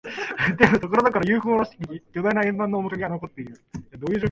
でも、ところどころ、ＵＦＯ らしき巨大な円盤の面影は残っている。